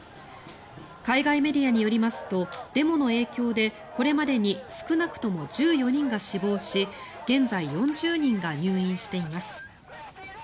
海外メディアによりますとデモの影響でこれまでに少なくとも１４人が死亡し現在４０人が入院しています。